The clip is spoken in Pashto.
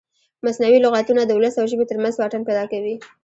مصنوعي لغتونه د ولس او ژبې ترمنځ واټن پیدا کوي.